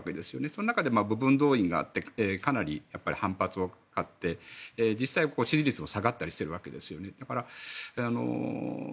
その中で部分動員があってかなり反発を買って実際支持率も下がったりしているわけです。